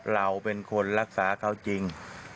เราเป็นคนรักษาเขาจริง